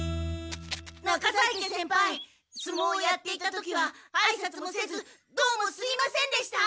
中在家先輩すもうをやっていた時はあいさつもせずどうもすいませんでした！